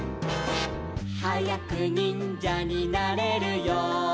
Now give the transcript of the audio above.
「はやくにんじゃになれるように」